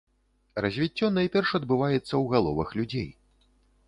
Развіццё найперш адбываецца ў галовах людзей.